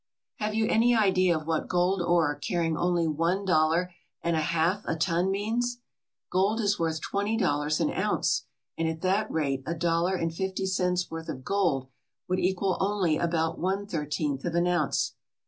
Have you any idea of what gold ore carrying only one dollar and a half a ton means? Gold is worth twenty dollars an ounce, and at that rate a dollar and fifty cents' worth of gold would equal only about one thirteenth of an ounce.